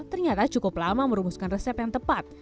ternyata cukup lama merumuskan resep yang tepat